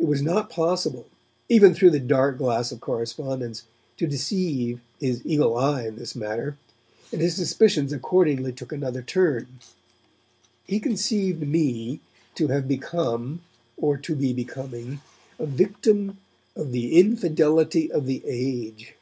It was not possible, even through the dark glass of correspondence, to deceive his eagle eye in this matter, and his suspicions accordingly took another turn. He conceived me to have become, or to be becoming, a victim of 'the infidelity of the age.'